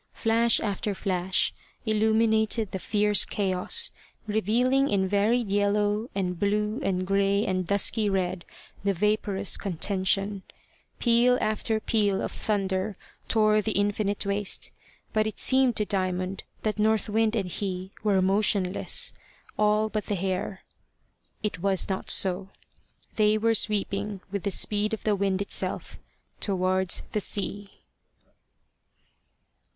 Flash after flash illuminated the fierce chaos, revealing in varied yellow and blue and grey and dusky red the vapourous contention; peal after peal of thunder tore the infinite waste; but it seemed to Diamond that North Wind and he were motionless, all but the hair. It was not so. They were sweeping with the speed of the wind itself towards the sea.